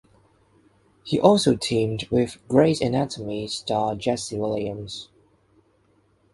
He also teamed with "Grey’s Anatomy" star Jesse Williams.